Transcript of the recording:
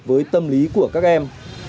với tâm lý của các em